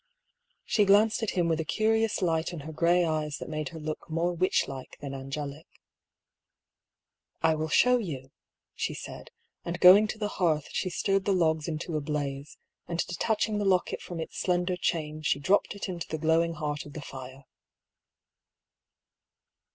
She glanced at him with a curious light in her grey eyes that made her look more witchlike than angelic. " I will show you," she said ; and going to the hearth she stirred the logs into a blaze, and detaching the locket from its slender chain she dropped it into the glowing heart of the fire.